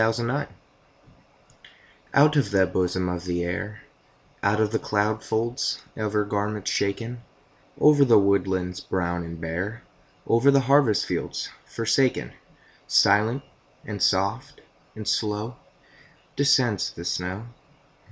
SNOW FLAKES Out of the bosom of the Air, Out of the cloud folds of her garments shaken, Over the woodlands brown and bare, Over the harvest fields forsaken, Silent, and soft, and slow Descends the snow.